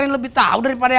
emang lo tau rumahnya